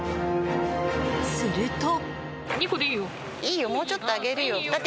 すると。